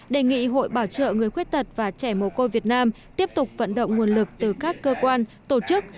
đề nghị hội bảo trợ người khuyết tật và trẻ mồ côi việt nam tiếp tục vận động nguồn lực từ các cơ quan tổ chức